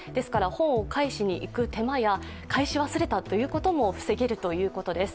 本を返しに行く手間や返し忘れたということも防げるということです。